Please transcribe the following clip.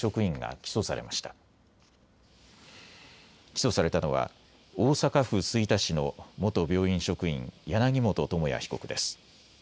起訴されたのは大阪府吹田市の元病院職員、柳本智也被告です。